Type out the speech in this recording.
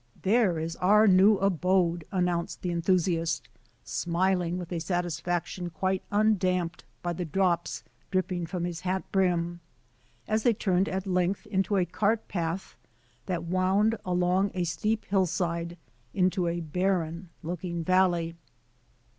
"There is our new abode," announced the enthusiast, smiling with a satisfaction quite undamped by the drops dripping from his hat brim, as they turned at length into a cart path that wound along a steep hillside into a barren looking valley.